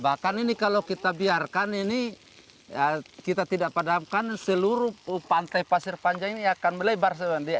bahkan ini kalau kita biarkan ini kita tidak padamkan seluruh pantai pasir panjang ini akan melebar